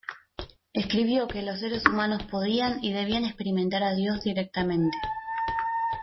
Escribió que los seres humanos podían y debían experimentar a Dios directamente.